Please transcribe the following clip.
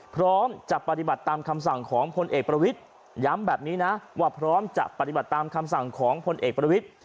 พร้อมจะปฏิบัติตามคำสั่งของพลเอกประวิทย้ำแบบนี้นะว่าพร้อมจะปฏิบัติตามคำสั่งของพลเอกประวิทธิ